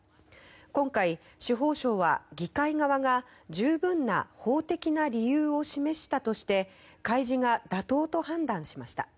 今回、司法省は議会側が十分な法的な理由を示したとして開示が妥当と判断しました。